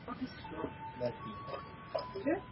V obci je k dispozici předškolní péče o děti.